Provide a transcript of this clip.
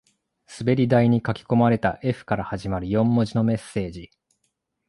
滑り台に書き込まれた Ｆ から始まる四文字のメッセージ